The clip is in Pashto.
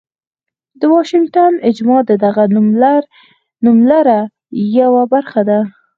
د واشنګټن اجماع د دغه نوملړ یوه برخه ده.